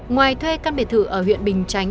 ngoài thuê căn biệt thự ở huyện bình chánh